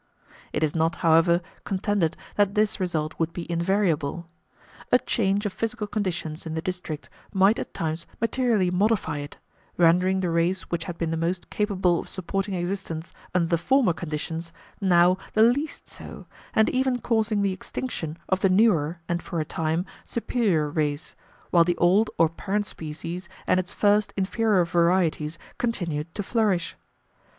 It is not, however, contended that this result would be invariable; a change of physical conditions in the district might at times materially modify it, rendering the race which had been the most capable of supporting existence under the former conditions now the least so, and even causing the extinction of the newer and, for a time, superior race, while the old or parent species and its first inferior varieties continued to flourish.